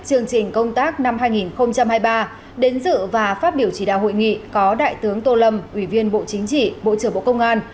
chương trình công tác năm hai nghìn hai mươi ba đến dự và phát biểu chỉ đạo hội nghị có đại tướng tô lâm ủy viên bộ chính trị bộ trưởng bộ công an